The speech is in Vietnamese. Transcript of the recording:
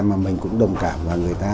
mà mình cũng đồng cảm với người ta